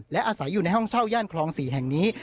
และอาศัยอยู่ในห้องเช่าย่านคลอง๔แห่งนี้